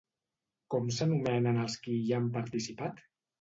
Com s'anomenen els qui hi han participat?